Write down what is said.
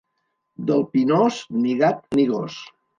Del Pinós, ni gat ni gos.